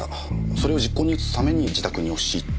それを実行に移すために自宅に押し入った。